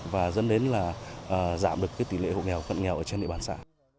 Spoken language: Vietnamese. và dân đến là giảm được cái tỷ lệ hộ nghèo cận nghèo ở trên địa bàn xã